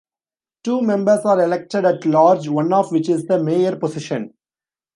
Two members are elected at large, one of which is the mayor position.